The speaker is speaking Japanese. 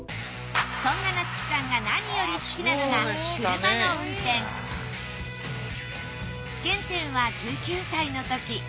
そんな夏樹さんが何より好きなのが車の運転原点は１９歳の時。